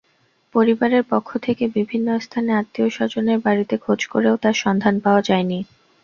পরিবারের পক্ষ থেকে বিভিন্ন স্থানে আত্মীয়স্বজনের বাড়িতে খোঁজ করেও তাঁর সন্ধান পাওয়া যায়নি।